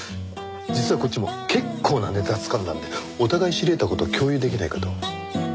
実はこっちも結構なネタつかんだんでお互い知り得た事を共有出来ないかと。